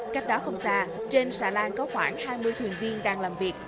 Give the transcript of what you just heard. cách đó không xa trên xà lan có khoảng hai mươi thuyền viên đang làm việc